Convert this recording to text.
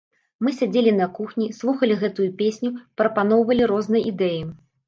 Мы сядзелі на кухні, слухалі гэтую песню, прапаноўвалі розныя ідэі.